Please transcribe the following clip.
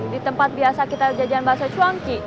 di tempat biasa kita jajan bahasa chuangki